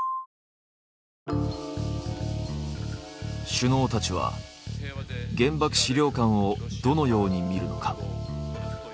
首脳たちは原爆資料館をどのように見るのか。